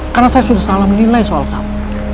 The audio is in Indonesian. karena saya sudah salah menilai soal kamu